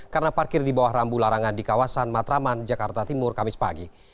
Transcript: karena parkir di bawah rambu larangan di kawasan matraman jakarta timur kamis pagi